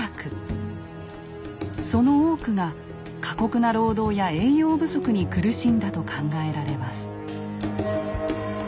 その多くが過酷な労働や栄養不足に苦しんだと考えられます。